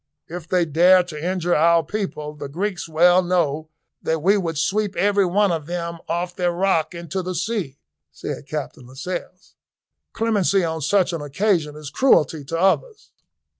"If they dare to injure our people, the Greeks well know that we would sweep every one of them off their rock into the sea," said Captain Lascelles. "Clemency on such an occasion is cruelty to others."